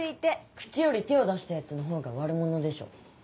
口より手を出したヤツのほうが悪者でしょ。